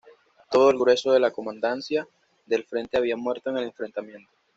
Todo el grueso de la Comandancia del Frente había muerto en el enfrentamiento.